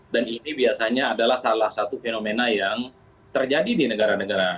dan ini biasanya adalah salah satu fenomena yang terjadi di negara negara